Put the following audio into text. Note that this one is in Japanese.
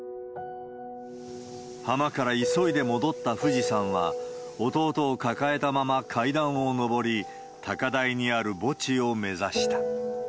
浜から急いで戻ったフジさんは、弟を抱えたまま階段を上り、高台にある墓地を目指した。